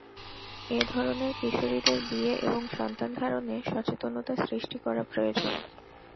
এ ধরনের কিশোরীদের বিয়ে এবং সন্তানধারণে সচেতনতা সৃষ্টি করা প্রয়োজন।